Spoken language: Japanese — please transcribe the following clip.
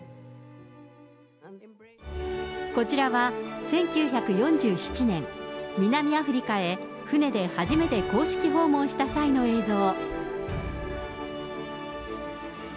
こちらは１９４７年、南アフリカへ船で初めて公式訪問した際の映像。